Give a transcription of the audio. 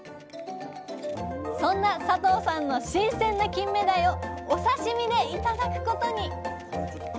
そんな佐藤さんの新鮮なキンメダイをお刺身で頂くことに！